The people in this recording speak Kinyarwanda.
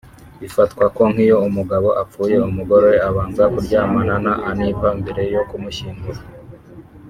bifatwa ko nk’iyo umugabo apfuye umugore we abanza kuryamana na Aniva mbere yo kumushyingura